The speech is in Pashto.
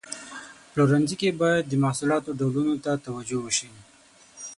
پلورنځي ته باید د محصولاتو ډولونو ته توجه وشي.